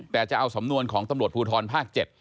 แต่จะเอาสำนวนของตำรวจภูทรภาค๗